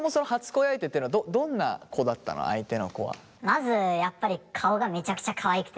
まずやっぱり顔がめちゃくちゃかわいくて。